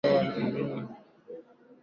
Mimi ni wa juu.